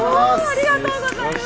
ありがとうございます。